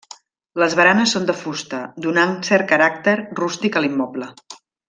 Les baranes són de fusta, donant cert caràcter rústic a l'immoble.